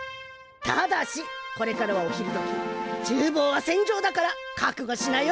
ただしこれからはお昼どきちゅうぼうは戦場だからかくごしなよ。